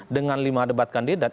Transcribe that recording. dengan lima debat kandidat